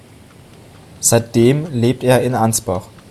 Seitdem lebt er in Ansbach.